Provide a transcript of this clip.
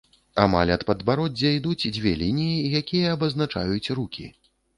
Амаль ад падбароддзя ідуць дзве лініі, якія абазначаюць рукі.